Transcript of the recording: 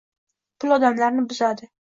Pul odamlarni buzadi